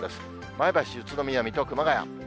前橋、宇都宮、水戸、熊谷。